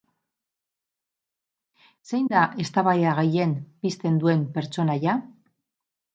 Zein da eztabaida gehien pizten duen pertsonaia?